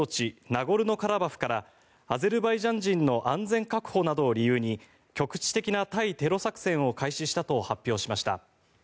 ナゴルノカラバフからアゼルバイジャン人の安全確保などを理由に局地的な対テロ作戦を開始したと発表しました。